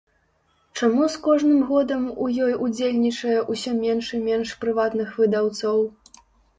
Чаму з кожным годам у ёй удзельнічае ўсё менш і менш прыватных выдаўцоў?